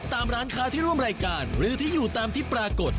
ตามร้านค้าที่ร่วมรายการหรือที่อยู่ตามที่ปรากฏ